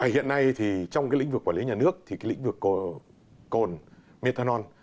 hiện nay trong lĩnh vực quản lý nhà nước thì lĩnh vực cồn methanol